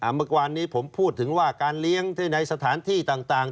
เมื่อวานนี้ผมพูดถึงว่าการเลี้ยงที่ในสถานที่ต่าง